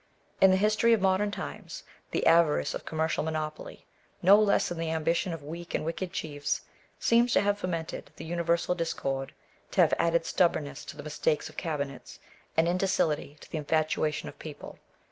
In the history of modem times, the avarice of commercial monopoly, no less than the ambition of weak and wicked chiefs, seems to have fomented the universal discord, to have added stubbornness to the mistakes of cabinets, and indocility to the infatuation of the people.